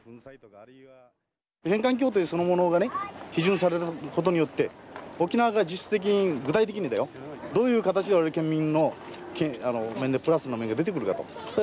返還協定そのものがね批准されることによって沖縄が実質的に具体的にだよどういう形であれ県民の面でプラスの面が出てくるかと。